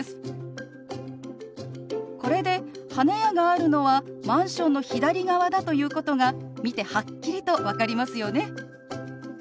これで花屋があるのはマンションの左側だということが見てはっきりと分かりますよね。